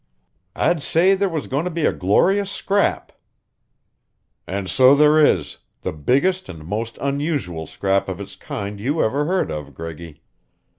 "I'd say there was going to be a glorious scrap." "And so there is, the biggest and most unusual scrap of its kind you ever heard of, Greggy.